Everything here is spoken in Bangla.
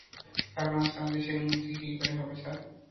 কারখানা ছাড়া দেশের উন্নতি কী করে হবে, স্যার?